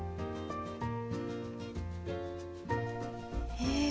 へえ。